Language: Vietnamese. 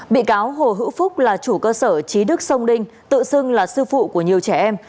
bị cáo hồ hữu phúc là chủ cơ sở trí đức sông đinh tự xưng là sư phụ của nhiều trẻ em